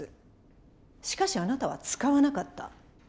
しかしあなたは使わなかった。